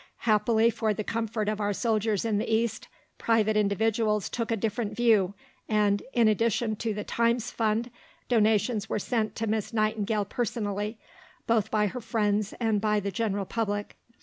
Happily for the comfort of our soldiers in the East, private individuals took a different view, and in addition to the Times Fund donations were sent to Miss Nightingale personally, both by her friends and by the general public.